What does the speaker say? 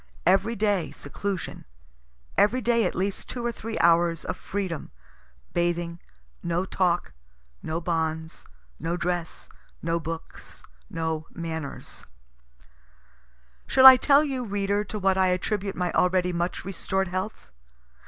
Every day, seclusion every day at least two or three hours of freedom, bathing, no talk, no bonds, no dress, no books, no manners. Shall I tell you, reader, to what I attribute my already much restored health?